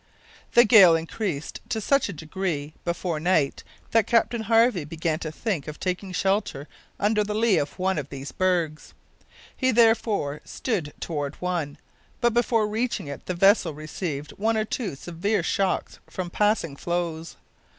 The gale increased to such a degree before night that Captain Harvey began to think of taking shelter under the lee of one of these bergs. He therefore stood toward one, but before reaching it the vessel received one or two severe shocks from passing floes.